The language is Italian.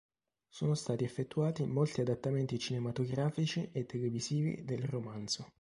Sono stati effettuati molti adattamenti cinematografici e televisivi del romanzo.